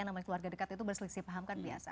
namanya keluarga dekat itu berselisih paham kan biasa